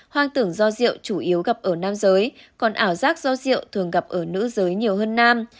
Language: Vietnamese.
hoang tưởng do rượu chủ yếu gặp ở nam giới còn ảo giác do rượu thường gặp ở nữ giới nhiều hơn nam